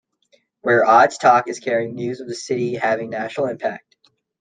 Where Aaj Tak is carrying news of the city having national impact.